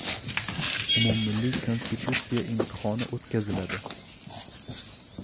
Umummilliy Konstitusiya imtihoni o‘tkaziladi